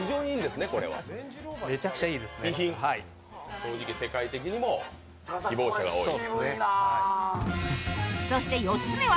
正直、世界的にも希望者が多いと。